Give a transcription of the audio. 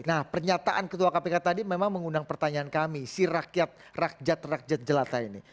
nah pernyataan ketua kpk tadi memang mengundang pertanyaan kami si rakyat rakyat jelata ini